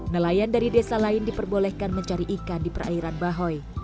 nelayan dari desa lain diperbolehkan mencari ikan di perairan bahoy